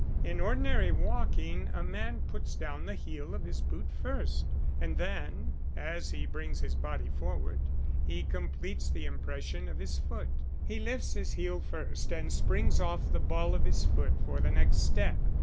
In ordinary walking a man puts down the heel of his boot first, and then, as he brings his body forward, he completes the impression of his foot. He lifts his heel first and springs off the ball of his foot for the next step.